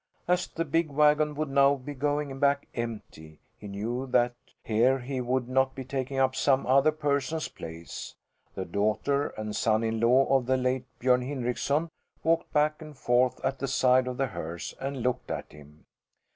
As the big wagon would now be going back empty, he knew that here he would not be taking up some other person's place. The daughter and son in law of the late Björn Hindrickson walked back and forth at the side of the hearse and looked at him.